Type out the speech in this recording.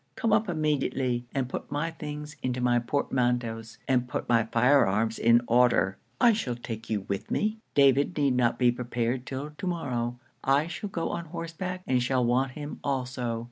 Come up immediately, and put my things into my portmanteaus, and put my fire arms in order. I shall take you with me. David need not be prepared till to morrow. I shall go on horseback and shall want him also.